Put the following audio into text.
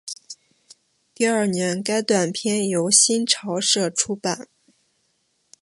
第二年该短篇由新潮社出版。